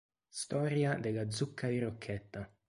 Storia della zucca di Rocchetta